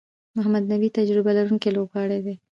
محمد نبي تجربه لرونکی لوبغاړی دئ.